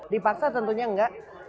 dipaksa tentunya enggak